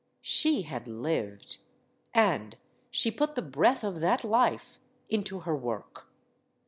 She had lived. And she put the breath of that life into her work.